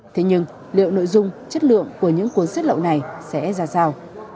thế nhưng liệu nội dung chất lượng của những cuốn sách lậu này sẽ ra sao